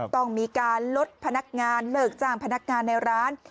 ต้องมีการลดพนักงานเลิกจ้างพนักงานในร้าน